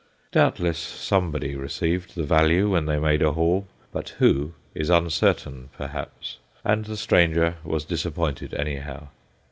Doubtless somebody received the value when they made a haul, but who, is uncertain perhaps and the stranger was disappointed, anyhow.